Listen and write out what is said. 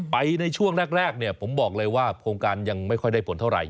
ในช่วงแรกผมบอกเลยว่าโครงการยังไม่ค่อยได้ผลเท่าไหร